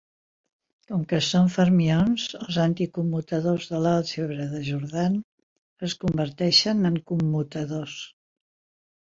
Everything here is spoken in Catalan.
Com que són fermions, els anticommutadors de l'àlgebra de Jordan es converteixen en commutadors.